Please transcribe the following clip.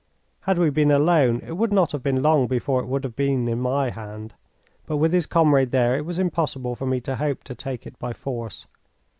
Had we been alone, it would not have been long before it would have been in my hand, but with his comrade there it was impossible for me to hope to take it by force.